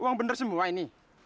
uang bener semua ini